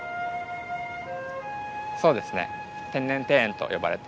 そうですね。